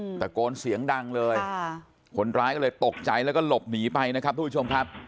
ตะโกนเสียงดังเลยค่ะคนร้ายก็เลยตกใจแล้วก็หลบหนีไปนะครับทุกผู้ชมครับ